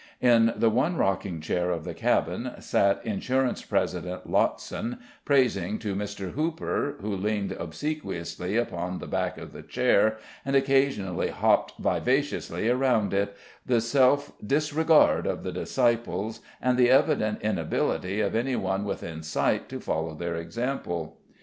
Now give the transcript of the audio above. In the one rocking chair of the cabin sat Insurance President Lottson, praising to Mr. Hooper, who leaned obsequiously upon the back of the chair and occasionally hopped vivaciously around it, the self disregard of the disciples, and the evident inability of any one within sight to follow their example.